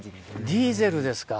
ディーゼルですか。